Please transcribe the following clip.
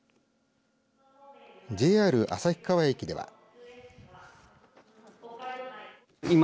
ＪＲ旭川駅では。